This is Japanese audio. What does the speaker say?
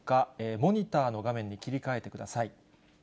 モニターの画面に切り替えてください。